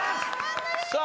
さあ